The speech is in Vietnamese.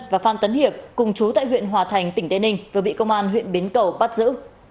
và phan tấn hiệp cùng chú tại huyện hòa thành tỉnh tây ninh vừa bị công an huyện bến cầu bắt giữ